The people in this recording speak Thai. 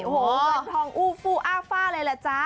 โอ้โหวันทองอูฟูอาร์ฟ่าเลยล่ะจ๊ะ